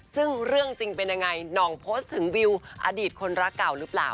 ซึ่งเรื่องจริงเป็นยังไงหน่องโพสต์ถึงวิวอดีตคนรักเก่าหรือเปล่า